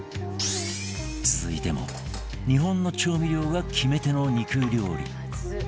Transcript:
続いても日本の調味料が決め手の肉料理